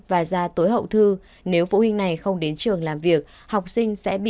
và ra tối hậu thư nếu phụ huynh này không đến trường làm việc học sinh sẽ bị